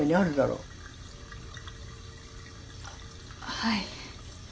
はい。